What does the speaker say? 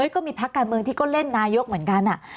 ก็มีพักการเมืองที่ก็เล่นนายกเหมือนกัน